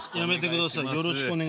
よろしくお願いします。